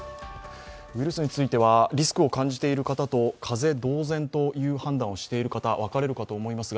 ウイルスについてはリスクを感じている方と風邪同然という判断をしている方、分かれるかと思います。